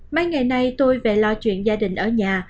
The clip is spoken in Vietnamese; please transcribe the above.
mấy ngày nay tôi về lo chuyện gia đình ở nhà